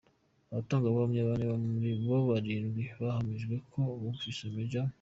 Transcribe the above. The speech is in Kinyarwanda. Abatangabuhamya bane muri barindwi bahamije ko bumvise Maj.